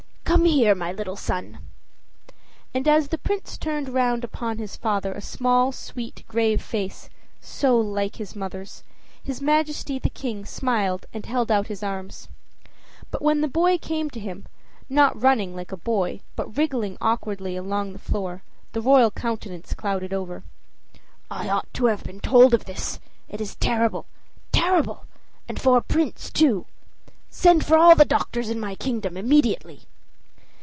Come here, my little son." And as the Prince turned round upon his father a small, sweet, grave face, so like his mother's, his Majesty the King smiled and held out his arms. But when the boy came to him, not running like a boy, but wriggling awkwardly along the floor, the royal countenance clouded over. "I ought to have been told of this. It is terrible terrible! And for a prince too. Send for all the doctors in my kingdom immediately."